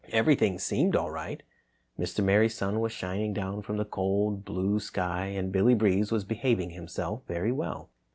Everything seemed all right. Mr. Merry Sun was shining down from the cold blue sky and Billy Breeze was behaving himself very well.